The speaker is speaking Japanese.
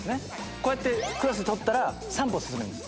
こうやってクロスで取ったら３歩進める。